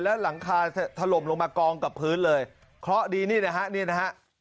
แล้วหลังคาถล่มลงมากองกับพื้นเลยเคราะห์ดีนี่นะฮะนี่นะฮะ